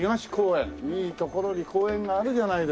いい所に公園があるじゃないですか。